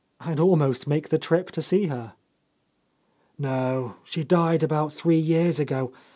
I'd almost make the trip to see her." "No, she died about three years ago.